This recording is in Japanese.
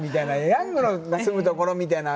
ヤングの住むところみたいな。